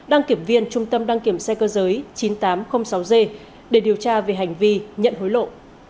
đăng kiểm viên trung tâm đăng kiểm xe cơ giới chín nghìn tám trăm linh sáu g để điều tra về hành vi nhận hối lộ